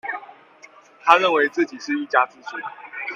他認為自己是一家之主